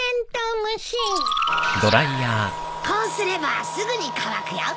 こうすればすぐに乾くよ。